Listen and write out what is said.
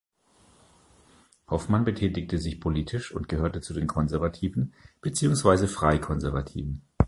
Hoffmann betätigte sich politisch und gehörte zu den Konservativen beziehungsweise Freikonservativen.